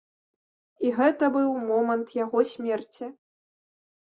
І гэта быў момант яго смерці.